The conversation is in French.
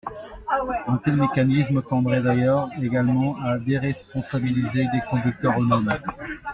Un tel mécanisme tendrait d’ailleurs également à déresponsabiliser les conducteurs eux-mêmes.